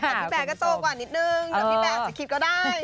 แสดงพี่แป๊ก็โตกว่านิดนึงแต่พี่แป๊อาจจะคิดก็ได้